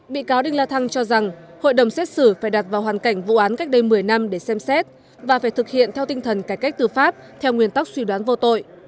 bị cáo đinh la thăng cho rằng hội đồng xét xử phải đặt vào hoàn cảnh vụ án cách đây một mươi năm để xem xét và phải thực hiện theo tinh thần cải cách tư pháp theo nguyên tắc suy đoán vô tội